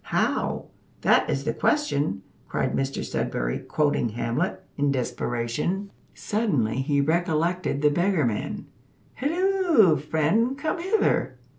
How! `_that_ is the question!'" cried Mr Sudberry, quoting Hamlet, in desperation. Suddenly he recollected the beggar man. "Halloo! friend; come hither."